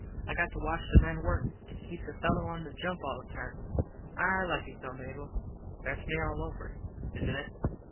I got to watch the men work. It keeps a fello on the jump all the time. I like it though, Mable. Thats me all over. Isnt it?